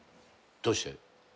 どうして？